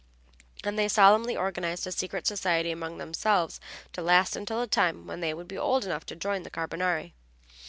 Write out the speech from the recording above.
And they solemnly organized a secret society among themselves to last until the time when they would be old enough to join the Carbonari.